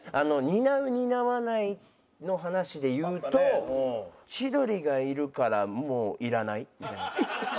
担う担わないの話で言うと千鳥がいるからもういらないみたいな。